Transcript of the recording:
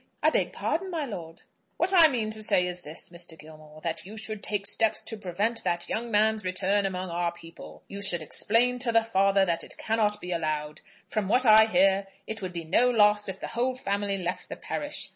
"I beg pardon, my lord." "What I mean to say is this, Mr. Gilmore, that you should take steps to prevent that young man's return among our people. You should explain to the father that it cannot be allowed. From what I hear, it would be no loss if the whole family left the parish.